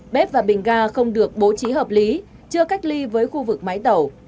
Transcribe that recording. bếp và bình ga không được bố trí hợp lý chưa cách ly với khu vực máy tàu